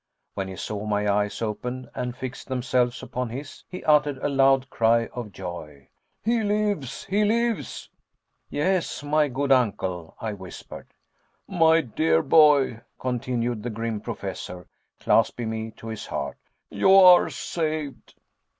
When he saw my eyes open and fix themselves upon his, he uttered a loud cry of joy. "He lives! he lives!" "Yes, my good uncle," I whispered. "My dear boy," continued the grim Professor, clasping me to his heart, "you are saved!"